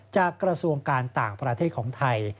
กระทรวงการต่างประเทศของไทย